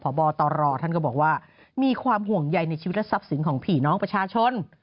พบตรท่านก็บอกว่ามีความห่วงใยในชีวิตและทรัพย์สินของผีน้องประชาชน